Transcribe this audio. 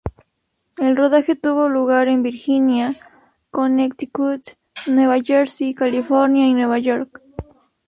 El rodaje tuvo lugar en Virginia, Connecticut, Nueva Jersey, California, y Nueva York.